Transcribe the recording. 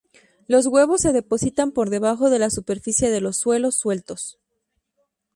Los huevos se depositan por debajo de la superficie de los suelos sueltos.